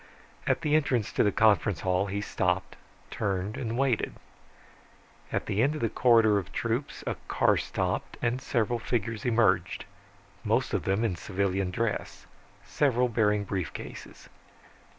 At the entrance to the conference hall he stopped, turned and waited. At the end of the corridor of troops a car stopped and several figures emerged, most of them in civilian dress, several bearing brief cases.